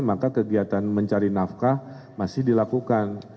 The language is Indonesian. maka kegiatan mencari nafkah masih dilakukan